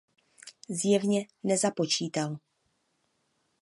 Zjevně nezapočítal.